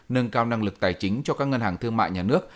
nâng cao năng lực tài chính cho các ngân hàng thương mại nhà nước